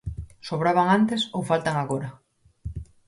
¿Sobraban antes ou faltan agora?